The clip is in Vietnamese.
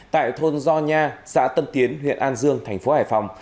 tại thôn gio nha xã tân tiến huyện an dương thành phố hải phòng